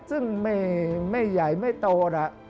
ซึ่งไม่ใหญ่ไม่โตนะ